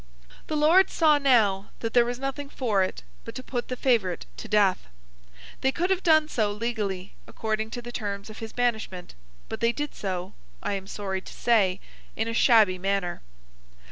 The Lords saw, now, that there was nothing for it but to put the favourite to death. They could have done so, legally, according to the terms of his banishment; but they did so, I am sorry to say, in a shabby manner.